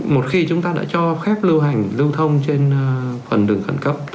một khi chúng ta đã cho phép lưu hành lưu thông trên phần đường khẩn cấp